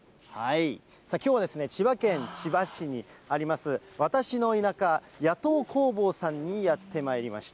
きょうは千葉県千葉市にあります、わたしの田舎谷当工房さんにやってまいりました。